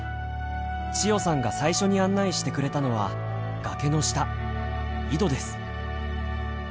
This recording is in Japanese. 千代さんが最初に案内してくれたのは崖の下井戸です。